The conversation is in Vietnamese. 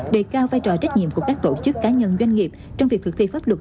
đề cao vai trò trách nhiệm của các tổ chức cá nhân doanh nghiệp trong việc thực thi pháp luật